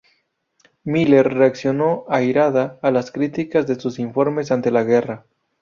Miller reaccionó airada a las críticas de sus informes antes de la guerra.